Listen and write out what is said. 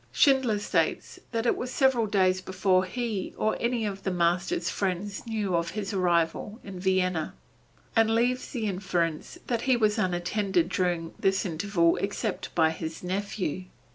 Schindler states that it was several days before he or any of the master's friends knew of his arrival in Vienna, and leaves the inference that he was unattended during this interval except by his nephew.